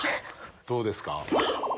どうですか？